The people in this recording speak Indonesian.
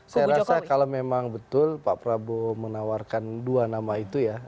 saya rasa kalau memang betul pak prabowo menawarkan dua nama itu ya